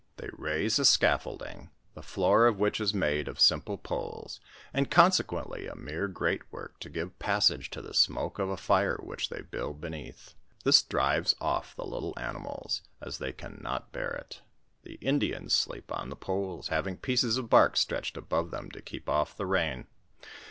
They raise a scaffolding, the floor of which is made of simple poles, and consequently a mere grate work to give passage to the smoke of a fire which they build beneath. This drives off the little animals, as they can not bear it. The Indians sleep on the poles, having pieces of bark stretched above them to keep off the rain.